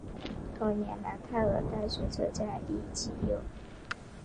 同年楠泰尔大学车站亦启用。